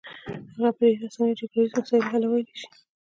هغه په ډېره اسانۍ جګړه ییز مسایل حلولای شي.